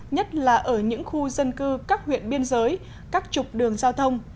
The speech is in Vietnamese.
nhất là ở những khu dân cư các huyện biên giới các trục đường giao thông